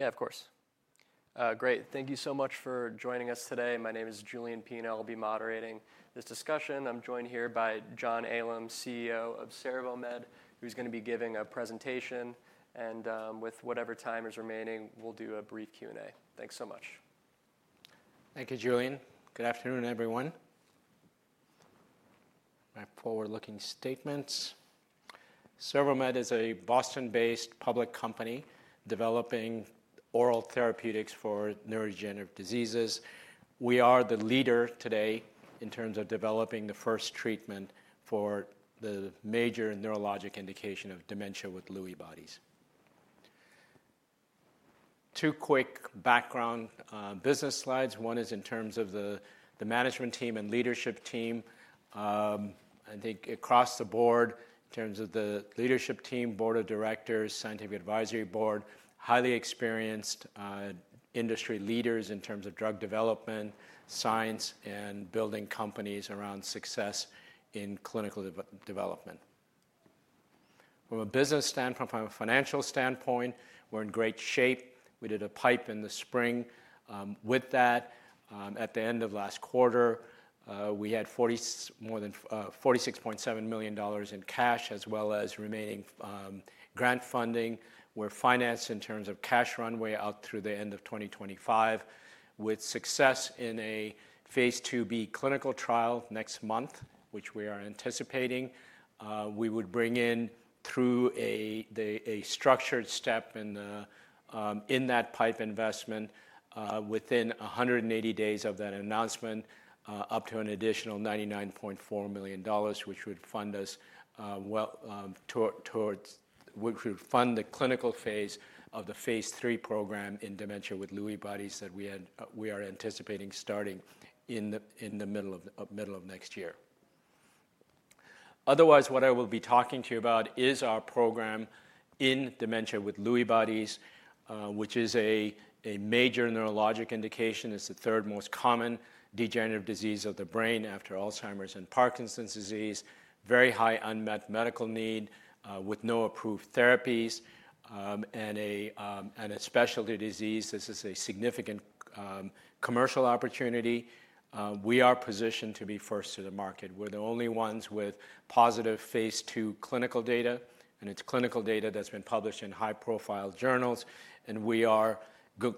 Yeah, of course. Great. Thank you so much for joining us today. My name is Julian Pean. I'll be moderating this discussion. I'm joined here by John Alam, CEO of CervoMed, who's going to be giving a presentation. And with whatever time is remaining, we'll do a brief Q&A. Thanks so much. Thank you, Julian. Good afternoon, everyone. My forward-looking statements. CervoMed is a Boston-based public company developing oral therapeutics for neurodegenerative diseases. We are the leader today in terms of developing the first treatment for the major neurologic indication of Dementia with Lewy Bodies. Two quick background business slides. One is in terms of the management team and leadership team. I think across the board, in terms of the leadership team, board of directors, scientific advisory board, highly experienced industry leaders in terms of drug development, science, and building companies around success in clinical development. From a business standpoint, from a financial standpoint, we're in great shape. We did a pipe in the spring with that. At the end of last quarter, we had more than $46.7 million in cash, as well as remaining grant funding. We're financed in terms of cash runway out through the end of 2025, with success in a phase II-B clinical trial next month, which we are anticipating. We would bring in through a structured step in that pipe investment within 180 days of that announcement, up to an additional $99.4 million, which would fund us towards the clinical phase of the phase III program in Dementia with Lewy Bodies that we are anticipating starting in the middle of next year. Otherwise, what I will be talking to you about is our program in Dementia with Lewy Bodies, which is a major neurologic indication. It's the third most common degenerative disease of the brain after Alzheimer's and Parkinson's disease, very high unmet medical need with no approved therapies, and a specialty disease. This is a significant commercial opportunity. We are positioned to be first to the market. We're the only ones with positive phase II clinical data, and it's clinical data that's been published in high-profile journals, and we are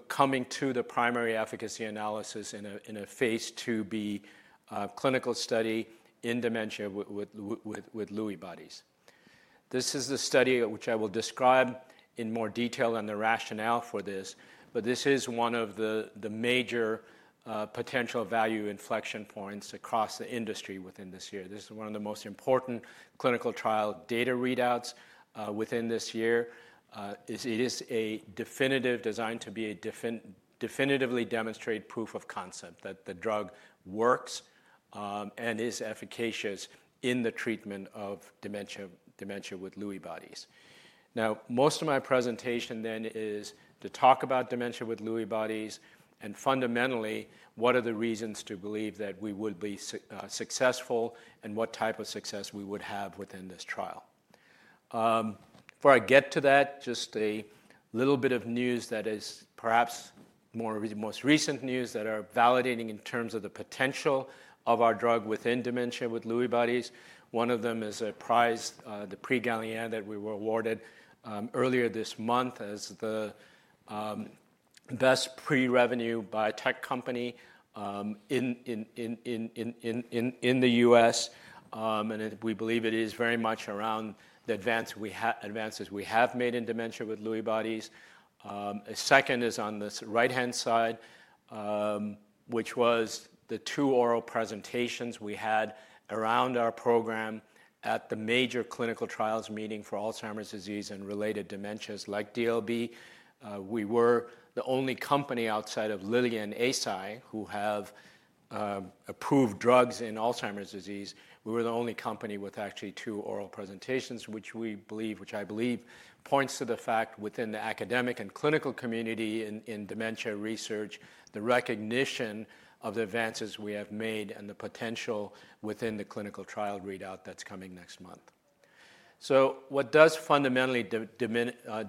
coming to the primary efficacy analysis in a phase II-B clinical study in Dementia with Lewy Bodies. This is the study which I will describe in more detail and the rationale for this, but this is one of the major potential value inflection points across the industry within this year. This is one of the most important clinical trial data readouts within this year. It is definitively designed to be a definitively demonstrated proof of concept that the drug works and is efficacious in the treatment of Dementia with Lewy Bodies. Now, most of my presentation then is to talk about Dementia with Lewy Bodies and fundamentally, what are the reasons to believe that we would be successful and what type of success we would have within this trial. Before I get to that, just a little bit of news that is perhaps more of the most recent news that are validating in terms of the potential of our drug within Dementia with Lewy Bodies. One of them is a prize, the Prix Galien, that we were awarded earlier this month as the best pre-revenue biotech company in the U.S. And we believe it is very much around the advances we have made in Dementia with Lewy Bodies. A second is on the right-hand side, which was the two oral presentations we had around our program at the major clinical trials meeting for Alzheimer's disease and related dementias like DLB. We were the only company outside of Lilly and AC Immune who have approved drugs in Alzheimer's disease. We were the only company with actually two oral presentations, which we believe, which I believe points to the fact within the academic and clinical community in dementia research, the recognition of the advances we have made and the potential within the clinical trial readout that's coming next month. So what does fundamentally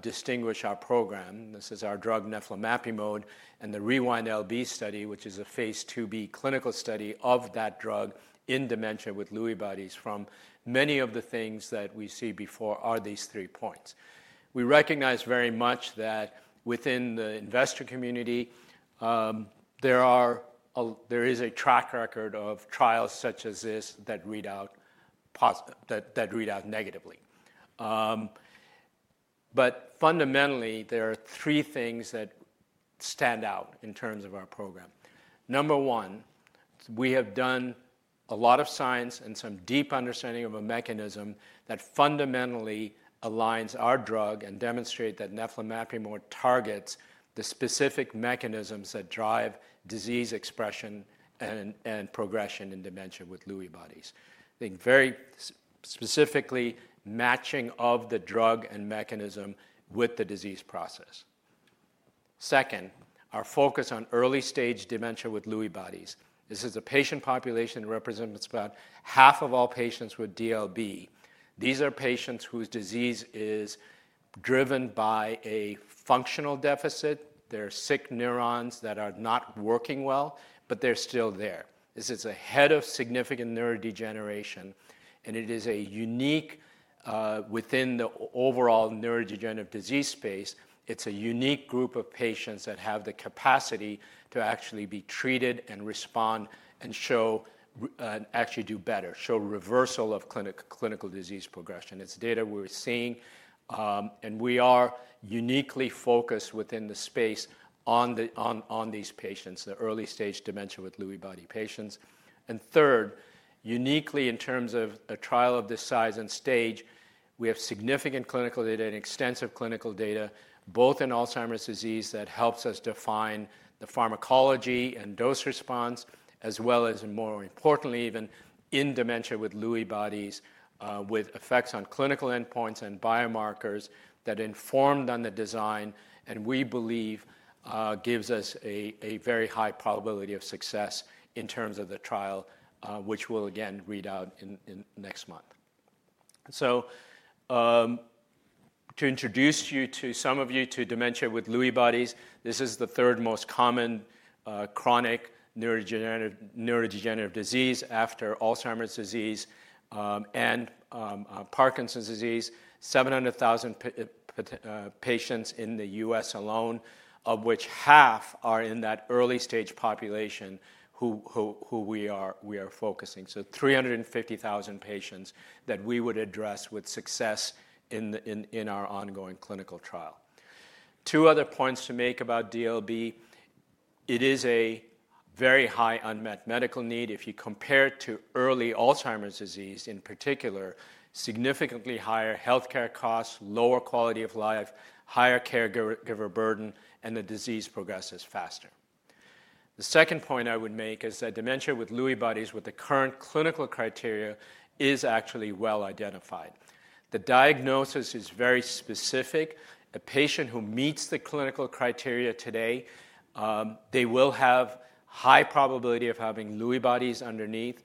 distinguish our program? This is our drug neflamapimod and the RewinD-LB study, which is a phase II-B clinical study of that drug in Dementia with Lewy Bodies. From many of the things that we see before are these three points. We recognize very much that within the investor community, there is a track record of trials such as this that read out negatively. But fundamentally, there are three things that stand out in terms of our program. Number one, we have done a lot of science and some deep understanding of a mechanism that fundamentally aligns our drug and demonstrates that neflamapimod targets the specific mechanisms that drive disease expression and progression in Dementia with Lewy Bodies. I think very specifically matching of the drug and mechanism with the disease process. Second, our focus on early-stage Dementia with Lewy Bodies. This is a patient population that represents about half of all patients with DLB. These are patients whose disease is driven by a functional deficit. They're sick neurons that are not working well, but they're still there. This is ahead of significant neurodegeneration, and it is a unique within the overall neurodegenerative disease space. It's a unique group of patients that have the capacity to actually be treated and respond and show and actually do better, show reversal of clinical disease progression. It's data we're seeing, and we are uniquely focused within the space on these patients, the early-stage Dementia with Lewy Dodies patients, and third, uniquely in terms of a trial of this size and stage, we have significant clinical data and extensive clinical data, both in Alzheimer's disease that helps us define the pharmacology and dose response, as well as, more importantly, even in Dementia with Lewy Bodies, with effects on clinical endpoints and biomarkers that informed on the design, and we believe gives us a very high probability of success in terms of the trial, which will, again, read out next month. To introduce you to some of you to Dementia with Lewy Bodies, this is the third most common chronic neurodegenerative disease after Alzheimer's disease and Parkinson's disease, 700,000 patients in the U.S. alone, of which half are in that early-stage population who we are focusing. So 350,000 patients that we would address with success in our ongoing clinical trial. Two other points to make about DLB. It is a very high unmet medical need if you compare it to early Alzheimer's disease in particular, significantly higher healthcare costs, lower quality of life, higher caregiver burden, and the disease progresses faster. The second point I would make is that Dementia with Lewy Bodies, with the current clinical criteria, is actually well identified. The diagnosis is very specific. A patient who meets the clinical criteria today, they will have a high probability of having Lewy bodies underneath.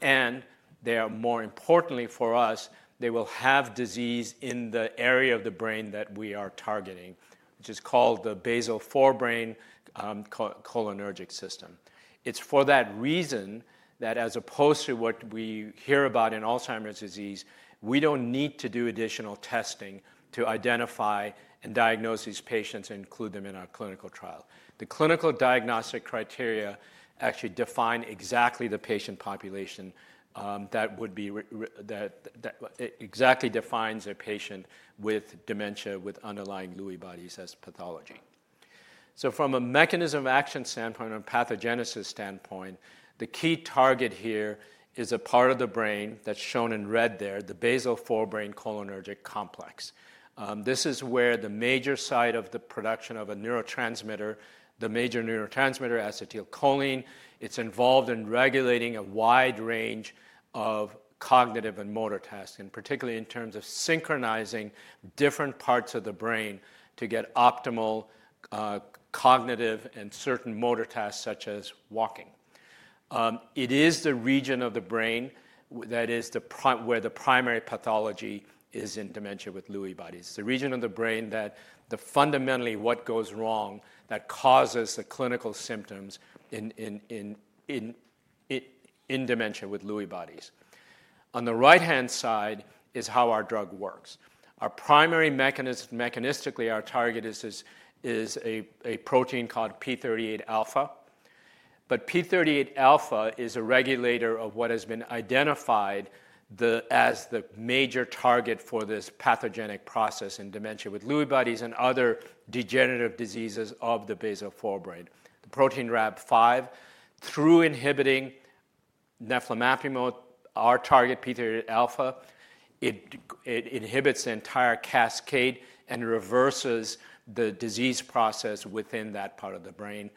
And they are, more importantly for us, they will have disease in the area of the brain that we are targeting, which is called the Basal Forebrain Cholinergic System. It's for that reason that as opposed to what we hear about in Alzheimer's disease, we don't need to do additional testing to identify and diagnose these patients and include them in our clinical trial. The clinical diagnostic criteria actually define exactly the patient population that exactly defines a patient with dementia with underlying Lewy bodies as pathology. From a mechanism of action standpoint, a pathogenesis standpoint, the key target here is a part of the brain that's shown in red there, the basal forebrain cholinergic complex. This is where the major site of the production of a neurotransmitter, the major neurotransmitter acetylcholine. It's involved in regulating a wide range of cognitive and motor tasks, and particularly in terms of synchronizing different parts of the brain to get optimal cognitive and certain motor tasks, such as walking. It is the region of the brain that is where the primary pathology is in Dementia with Lewy Bodies. It's the region of the brain that fundamentally what goes wrong that causes the clinical symptoms in Dementia with Lewy Bodies. On the right-hand side is how our drug works. Our primary mechanistically, our target is a protein called p38 alpha. But p38 alpha is a regulator of what has been identified as the major target for this pathogenic process in Dementia with Lewy Bodies and other degenerative diseases of the basal forebrain. The protein Rab5, through inhibiting neflamapimod, our target p38 alpha, it inhibits the entire cascade and reverses the disease process within that part of the brain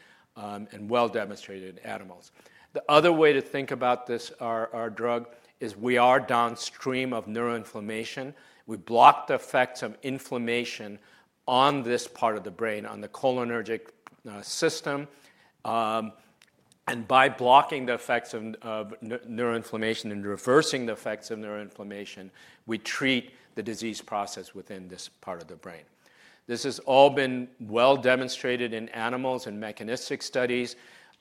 in well-demonstrated animals. The other way to think about this drug is we are downstream of neuroinflammation. We block the effects of inflammation on this part of the brain, on the cholinergic system. And by blocking the effects of neuroinflammation and reversing the effects of neuroinflammation, we treat the disease process within this part of the brain. This has all been well demonstrated in animals and mechanistic studies,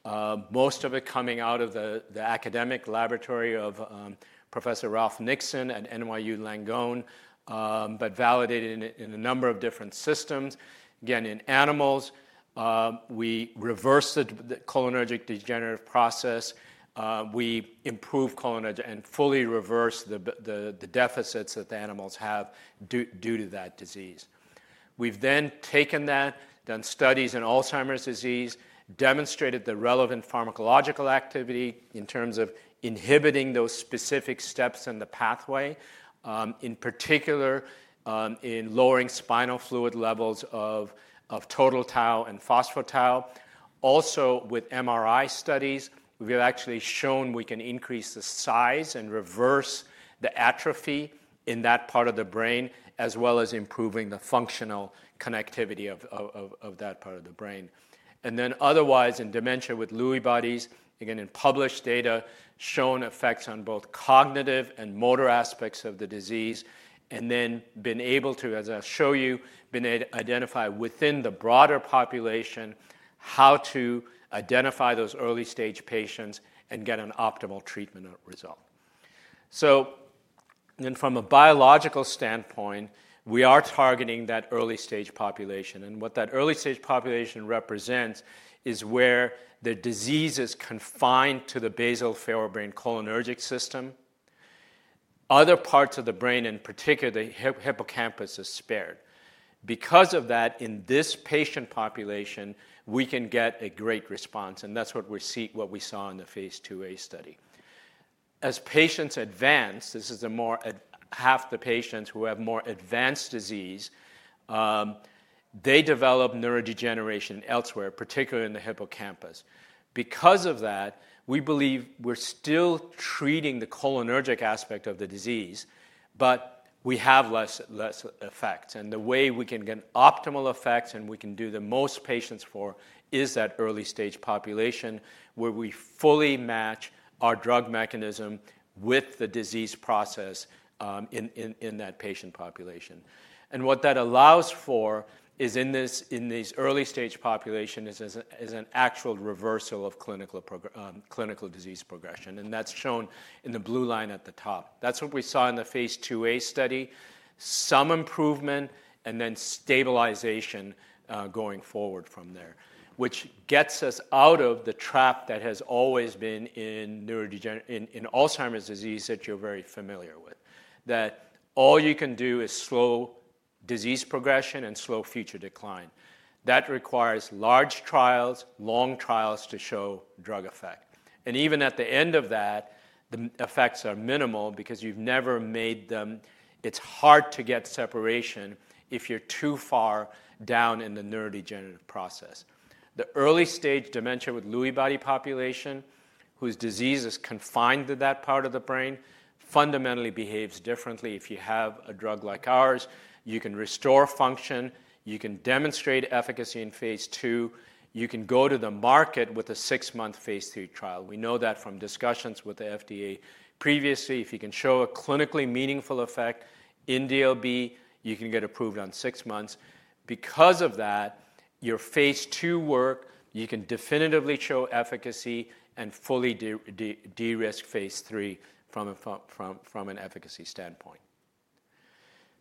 most of it coming out of the academic laboratory of Professor Ralph Nixon at NYU Langone, but validated in a number of different systems. Again, in animals, we reverse the cholinergic degenerative process. We improve cholinergic and fully reverse the deficits that the animals have due to that disease. We've then taken that, done studies in Alzheimer's disease, demonstrated the relevant pharmacological activity in terms of inhibiting those specific steps in the pathway, in particular in lowering spinal fluid levels of total tau and phospho-tau. Also, with MRI studies, we've actually shown we can increase the size and reverse the atrophy in that part of the brain, as well as improving the functional connectivity of that part of the brain. And then otherwise in Dementia with Lewy Bodies, again, in published data, shown effects on both cognitive and motor aspects of the disease, and then been able to, as I'll show you, been able to identify within the broader population how to identify those early-stage patients and get an optimal treatment result. So then from a biological standpoint, we are targeting that early-stage population. And what that early-stage population represents is where the disease is confined to the Basal Forebrain Cholinergic System. Other parts of the brain, in particular the hippocampus, are spared. Because of that, in this patient population, we can get a great response. And that's what we saw in the phase II-A study. As patients advance, this is the more half the patients who have more advanced disease, they develop neurodegeneration elsewhere, particularly in the hippocampus. Because of that, we believe we're still treating the cholinergic aspect of the disease, but we have less effects. And the way we can get optimal effects and we can do the most patients for is that early-stage population where we fully match our drug mechanism with the disease process in that patient population. And what that allows for is in these early-stage populations is an actual reversal of clinical disease progression. And that's shown in the blue line at the top. That's what we saw in the phase II-A study, some improvement and then stabilization going forward from there, which gets us out of the trap that has always been in Alzheimer's disease that you're very familiar with, that all you can do is slow disease progression and slow future decline. That requires large trials, long trials to show drug effect, and even at the end of that, the effects are minimal because you've never made them. It's hard to get separation if you're too far down in the neurodegenerative process. The early-stage Dementia with Lewy Bodies population, whose disease is confined to that part of the brain, fundamentally behaves differently. If you have a drug like ours, you can restore function. You can demonstrate efficacy in phase II. You can go to the market with a six-month phase III trial. We know that from discussions with the FDA previously. If you can show a clinically meaningful effect in DLB, you can get approved on six months. Because of that, your phase II work, you can definitively show efficacy and fully de-risk phase III from an efficacy standpoint.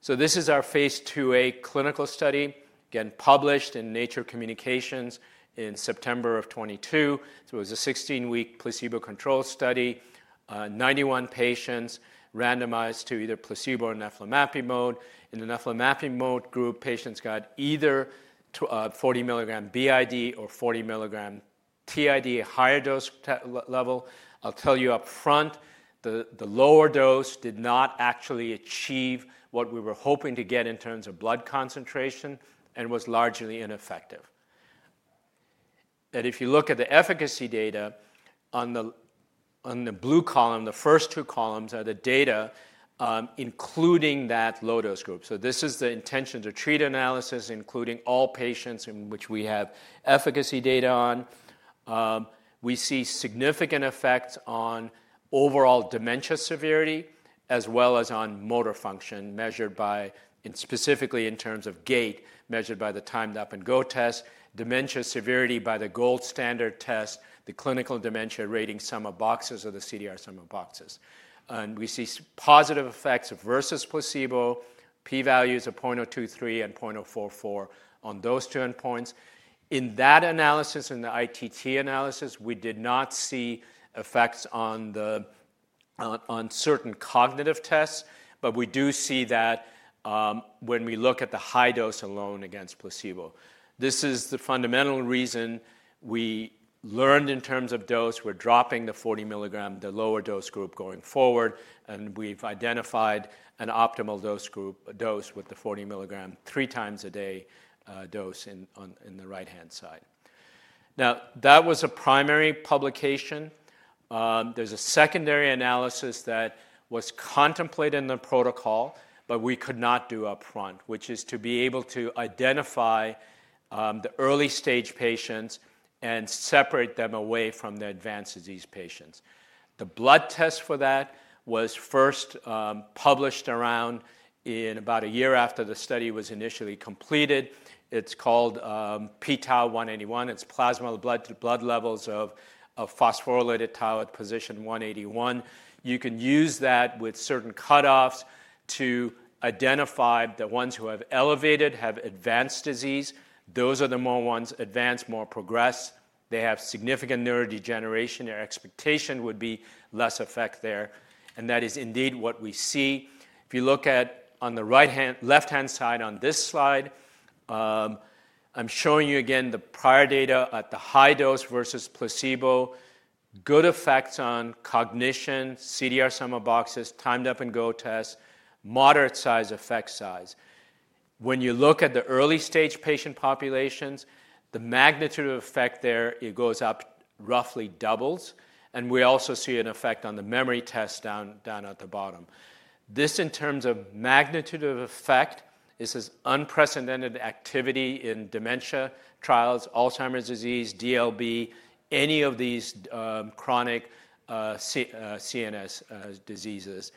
So this is our phase II-A clinical study, again, published in Nature Communications in September of 2022. So it was a 16-week placebo-controlled study, 91 patients randomized to either placebo or neflamapimod. In the neflamapimod group, patients got either 40 mg b.i.d. or 40 mg t.i.d., a higher dose level. I'll tell you upfront, the lower dose did not actually achieve what we were hoping to get in terms of blood concentration and was largely ineffective. And if you look at the efficacy data on the blue column, the first two columns are the data including that low-dose group. So this is the intent-to-treat analysis, including all patients in which we have efficacy data on. We see significant effects on overall dementia severity as well as on motor function measured by specifically in terms of gait, measured by the Timed Up and Go test, dementia severity by the gold standard test, the Clinical Dementia Rating Sum of Boxes or the CDR Sum of Boxes. And we see positive effects versus placebo, p-values of 0.023 and 0.044 on those endpoints. In that analysis, in the ITT analysis, we did not see effects on certain cognitive tests, but we do see that when we look at the high dose alone against placebo. This is the fundamental reason we learned in terms of dose. We're dropping the 40 mg, the lower dose group going forward. We've identified an optimal dose group dose with the 40 mg three times a day dose in the right-hand side. Now, that was a primary publication. There's a secondary analysis that was contemplated in the protocol, but we could not do upfront, which is to be able to identify the early-stage patients and separate them away from the advanced disease patients. The blood test for that was first published around in about a year after the study was initially completed. It's called p-Tau181. It's plasma blood levels of phosphorylated tau at position 181. You can use that with certain cut-offs to identify the ones who have elevated, have advanced disease. Those are the more ones advanced, more progressed. They have significant neurodegeneration. Their expectation would be less effect there. That is indeed what we see. If you look at on the left-hand side on this slide, I'm showing you again the prior data at the high dose versus placebo, good effects on cognition, CDR sum of boxes, Timed Up and Go test, moderate size effect size. When you look at the early-stage patient populations, the magnitude of effect there, it goes up roughly doubles. We also see an effect on the memory test down at the bottom. This in terms of magnitude of effect, this is unprecedented activity in dementia trials, Alzheimer's disease, DLB, any of these chronic CNS diseases.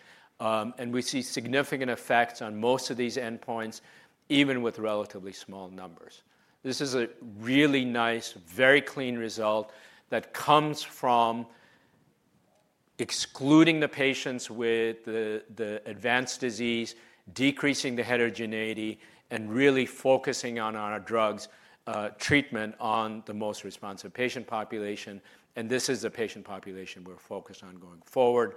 We see significant effects on most of these endpoints, even with relatively small numbers. This is a really nice, very clean result that comes from excluding the patients with the advanced disease, decreasing the heterogeneity, and really focusing on our drugs treatment on the most responsive patient population. And this is the patient population we're focused on going forward.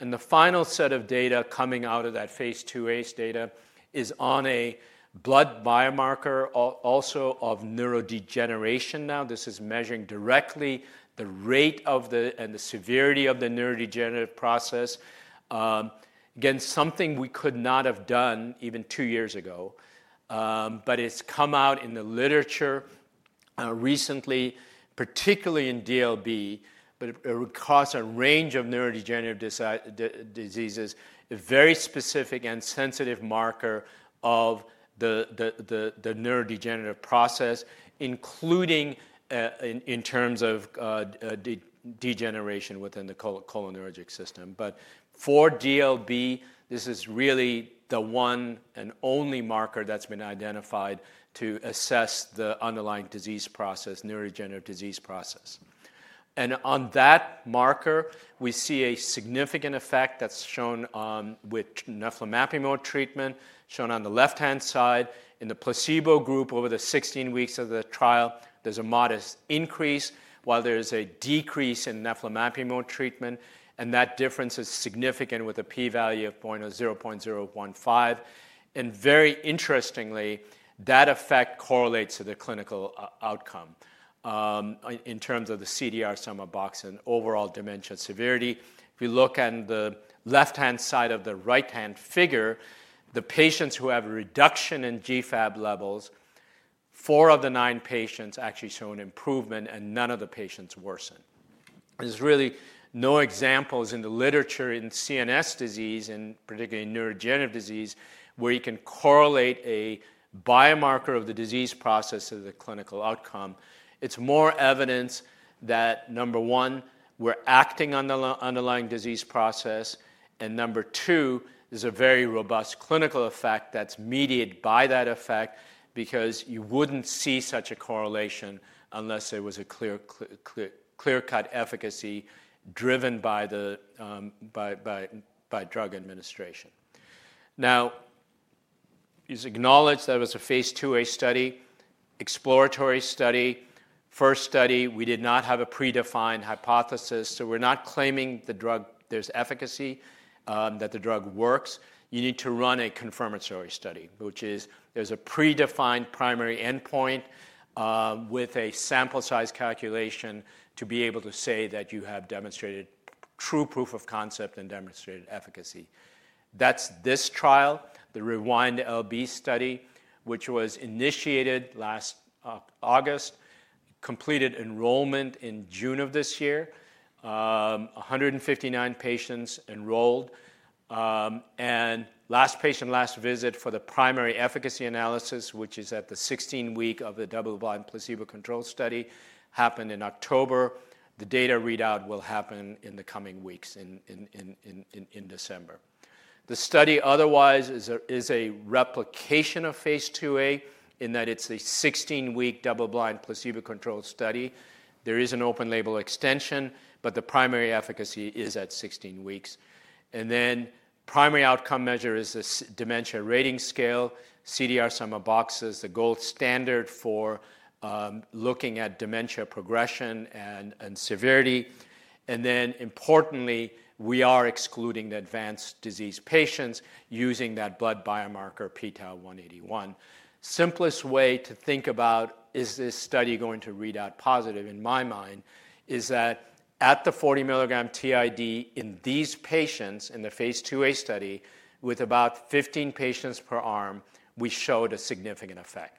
And the final set of data coming out of that phase II-A data is on a blood biomarker also of neurodegeneration now. This is measuring directly the rate and the severity of the neurodegenerative process. Again, something we could not have done even two years ago. But it's come out in the literature recently, particularly in DLB, but it occurs in a range of neurodegenerative diseases, a very specific and sensitive marker of the neurodegenerative process, including in terms of degeneration within the cholinergic system. But for DLB, this is really the one and only marker that's been identified to assess the underlying disease process, neurodegenerative disease process. And on that marker, we see a significant effect that's shown with neflamapimod treatment, shown on the left-hand side. In the placebo group over the 16 weeks of the trial, there's a modest increase, while there is a decrease in neflamapimod treatment, and that difference is significant with a p-value of 0.015, and very interestingly, that effect correlates to the clinical outcome in terms of the CDR sum of boxes and overall dementia severity. If we look on the left-hand side of the right-hand figure, the patients who have a reduction in GFAP levels, four of the nine patients actually show an improvement, and none of the patients worsen. There's really no examples in the literature in CNS disease, and particularly in neurodegenerative disease, where you can correlate a biomarker of the disease process to the clinical outcome. It's more evidence that, number one, we're acting on the underlying disease process. Number two, there's a very robust clinical effect that's mediated by that effect because you wouldn't see such a correlation unless there was a clear-cut efficacy driven by drug administration. Now, it's acknowledged that it was a phase II-A study, exploratory study. First study, we did not have a predefined hypothesis. So we're not claiming the drug, there's efficacy, that the drug works. You need to run a confirmatory study, which is there's a predefined primary endpoint with a sample size calculation to be able to say that you have demonstrated true proof of concept and demonstrated efficacy. That's this trial, the RewinD-LB study, which was initiated last August, completed enrollment in June of this year, 159 patients enrolled. And last patient, last visit for the primary efficacy analysis, which is at the 16-week of the double-blind placebo-controlled study, happened in October. The data readout will happen in the coming weeks in December. The study otherwise is a replication of phase II-A in that it's a 16-week double-blind placebo-controlled study. There is an open-label extension, but the primary efficacy is at 16 weeks. The primary outcome measure is the dementia rating scale, CDR sum of boxes, the gold standard for looking at dementia progression and severity. Importantly, we are excluding the advanced disease patients using that blood biomarker p-Tau181. Simplest way to think about is this study going to read out positive in my mind is that at the 40 mg t.i.d. in these patients in the phase II-A study with about 15 patients per arm, we showed a significant effect.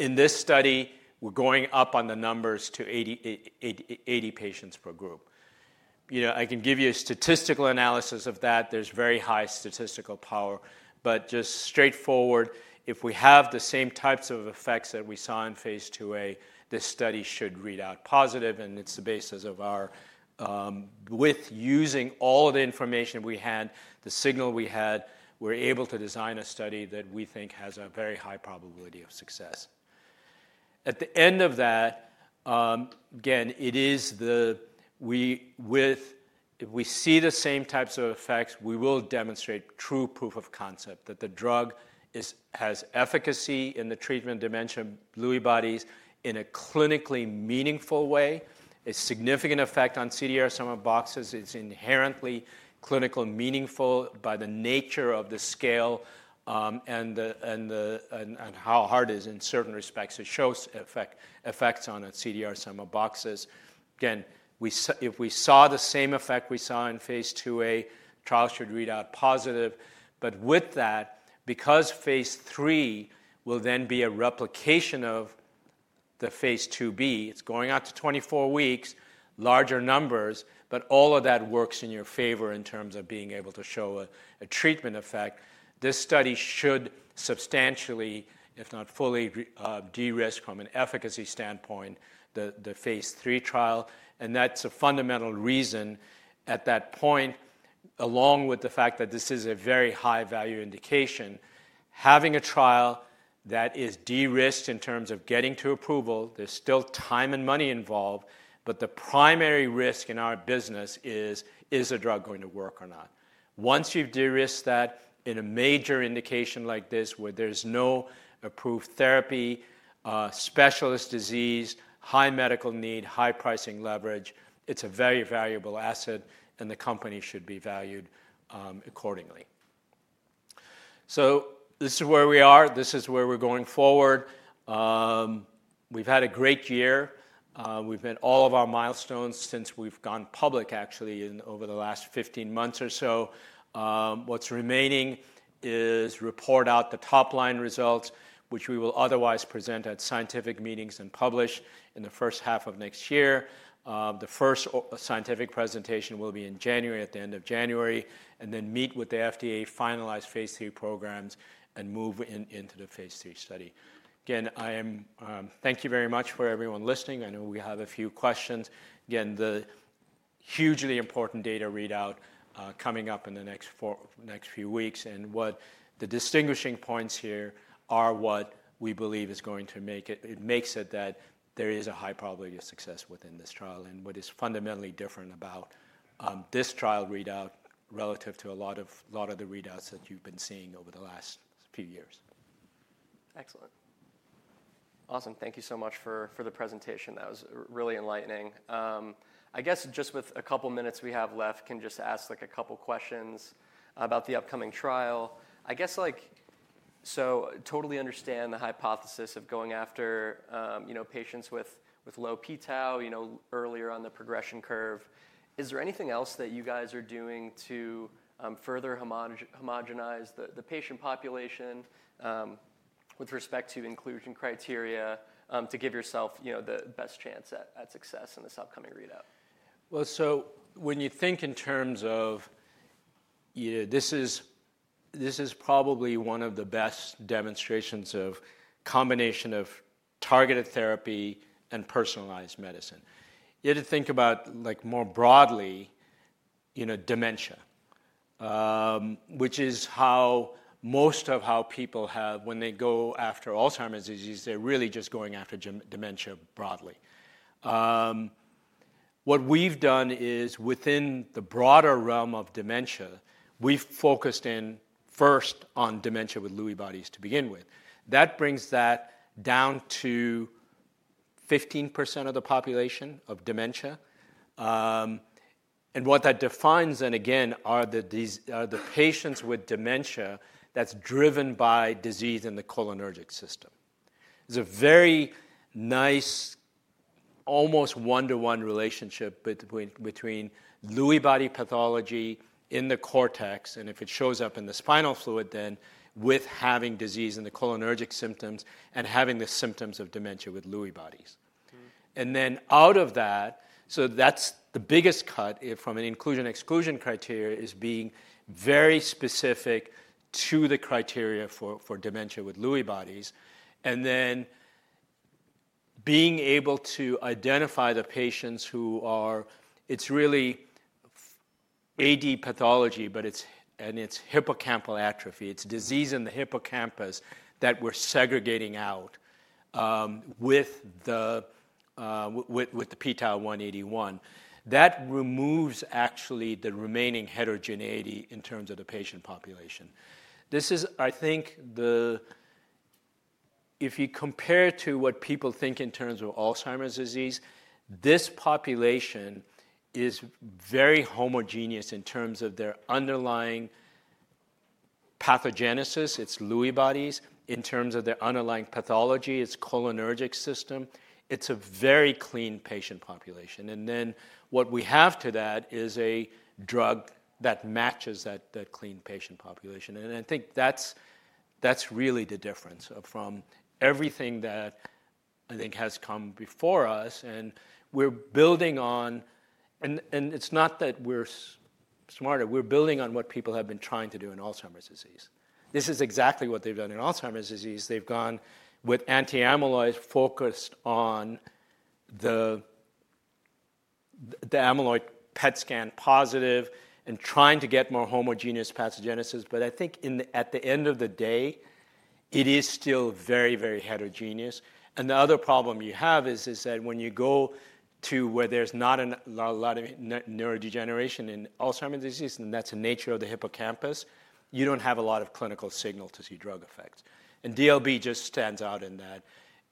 In this study, we're going up on the numbers to 80 patients per group. I can give you a statistical analysis of that. There's very high statistical power, but just straightforward, if we have the same types of effects that we saw in Phase II-A, this study should read out positive. It's the basis of our with using all of the information we had, the signal we had, we're able to design a study that we think has a very high probability of success. At the end of that, again, if we see the same types of effects, we will demonstrate true proof of concept that the drug has efficacy in the treatment of Dementia with Lewy Bodies in a clinically meaningful way. A significant effect on CDR sum of boxes is inherently clinically meaningful by the nature of the scale and how hard it is in certain respects to show effects on CDR sum of boxes. Again, if we saw the same effect we saw in Phase II-A, trial should read out positive. But with that, because Phase III will then be a replication of the Phase II-B, it's going out to 24 weeks, larger numbers. But all of that works in your favor in terms of being able to show a treatment effect. This study should substantially, if not fully, de-risk from an efficacy standpoint the Phase III trial. And that's a fundamental reason at that point, along with the fact that this is a very high-value indication. Having a trial that is de-risked in terms of getting to approval, there's still time and money involved. But the primary risk in our business is the drug going to work or not? Once you've de-risked that in a major indication like this where there's no approved therapy, specialist disease, high medical need, high pricing leverage, it's a very valuable asset, and the company should be valued accordingly, so this is where we are. This is where we're going forward. We've had a great year. We've met all of our milestones since we've gone public, actually, in over the last 15 months or so. What's remaining is report out the top-line results, which we will otherwise present at scientific meetings and publish in the first half of next year. The first scientific presentation will be in January, at the end of January, and then meet with the FDA, finalize phase III programs, and move into the phase III study. Again, thank you very much for everyone listening. I know we have a few questions. Again, the hugely important data readout coming up in the next few weeks. And what the distinguishing points here are what we believe is going to make it that there is a high probability of success within this trial. And what is fundamentally different about this trial readout relative to a lot of the readouts that you've been seeing over the last few years. Excellent. Awesome. Thank you so much for the presentation. That was really enlightening. I guess just with a couple of minutes we have left, can just ask a couple of questions about the upcoming trial. I guess so totally understand the hypothesis of going after patients with low p-Tau earlier on the progression curve. Is there anything else that you guys are doing to further homogenize the patient population with respect to inclusion criteria to give yourself the best chance at success in this upcoming readout? So when you think in terms of this is probably one of the best demonstrations of combination of targeted therapy and personalized medicine. You had to think about more broadly dementia, which is how most people have when they go after Alzheimer's disease, they're really just going after dementia broadly. What we've done is within the broader realm of dementia, we've focused in first on Dementia with Lewy Bodies to begin with. That brings that down to 15% of the population of dementia. And what that defines, and again, are the patients with dementia that's driven by disease in the cholinergic system. There's a very nice, almost one-to-one relationship between Lewy body pathology in the cortex, and if it shows up in the spinal fluid, then with having disease in the cholinergic symptoms and having the symptoms of Dementia with Lewy Bodies. And then out of that, so that's the biggest cut from an inclusion-exclusion criteria is being very specific to the criteria for Dementia with Lewy Bodies. And then being able to identify the patients who it is really AD pathology, and it's hippocampal atrophy. It's disease in the hippocampus that we're segregating out with the p-Tau181. That removes actually the remaining heterogeneity in terms of the patient population. This is, I think, if you compare it to what people think in terms of Alzheimer's disease, this population is very homogeneous in terms of their underlying pathogenesis. It's Lewy bodies. In terms of their underlying pathology, it's cholinergic system. It's a very clean patient population. And then what we have to that is a drug that matches that clean patient population. And I think that's really the difference from everything that I think has come before us. And we're building on and it's not that we're smarter. We're building on what people have been trying to do in Alzheimer's disease. This is exactly what they've done in Alzheimer's disease. They've gone with anti-amyloid focused on the amyloid PET scan positive and trying to get more homogeneous pathogenesis. But I think at the end of the day, it is still very, very heterogeneous. And the other problem you have is that when you go to where there's not a lot of neurodegeneration in Alzheimer's disease, and that's the nature of the hippocampus, you don't have a lot of clinical signal to see drug effects. And DLB just stands out in that.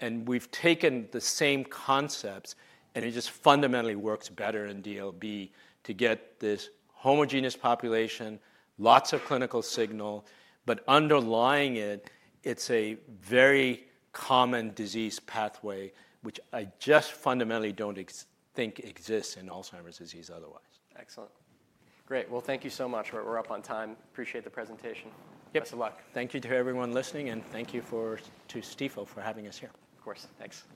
And we've taken the same concepts, and it just fundamentally works better in DLB to get this homogeneous population, lots of clinical signal. But underlying it, it's a very common disease pathway, which I just fundamentally don't think exists in Alzheimer's disease otherwise. Excellent. Great. Well, thank you so much. We're up on time. Appreciate the presentation. Best of luck. Thank you to everyone listening. Thank you to Stifel for having us here. Of course. Thanks.